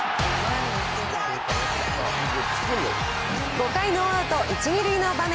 ５回ノーアウト１、２塁の場面。